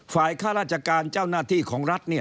ฝ่ายค่าราชการเจ้าหน้าที่ของรัฐเนี่ย